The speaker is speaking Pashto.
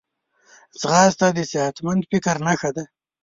ځغاسته د صحتمند فکر نښه ده